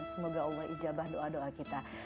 semoga allah ijabah doa doa kita